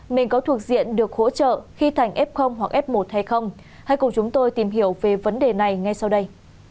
mình có thuộc diện được hỗ trợ khi thành f hoặc f một hay không hãy cùng chúng tôi tìm hiểu về vấn đề này ngay sau đây